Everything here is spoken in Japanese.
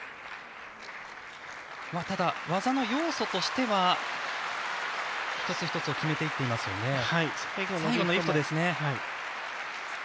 ただ、技の要素としては１つ１つを決めていってますよね。